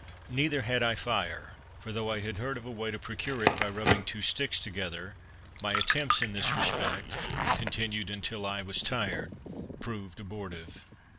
Neither had I fire; for, though I had heard of a way to procure it by rubbing two sticks together, my attempts in this respect, continued until I was tired, proved abortive.